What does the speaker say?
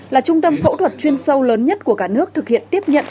là trung tâm phẫu thuật chuyên sâu lớn nhất của cả nước thực hiện tiếp nhận